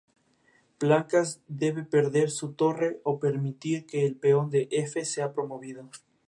Blancas debe perder su torre o permitir que el peón de "f" sea promovido.